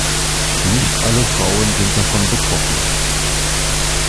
Nicht alle Frauen sind davon betroffen.